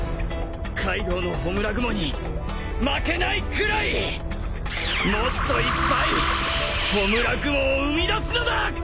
カイドウの焔雲に負けないくらいもっといっぱい焔雲を生み出すのだ！